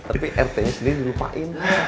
tapi rt nya sendiri dilupain